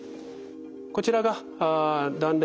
こちらが断裂。